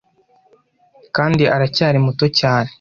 kandi aracyari muto cyane